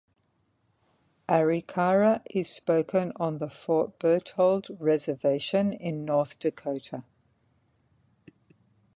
Arikara is spoken on the Fort Berthold Reservation in North Dakota.